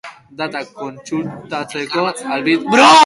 Datak kontsultatzeko, albistera erantsitako dokumentuan sartu.